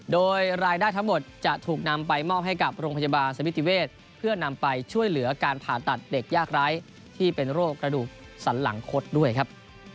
โดยรายได้ทั้งหมดจะถูกนำไปมอบให้กับโรงพยาบาลสมิติเวศเพื่อนำไปช่วยเหลือการผ่าตัดเด็กยากร้ายที่เป็นโรคกระดูกสันหลังคดด้วยครับ